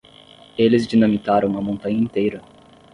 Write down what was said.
Eles dinamitaram uma montanha inteira.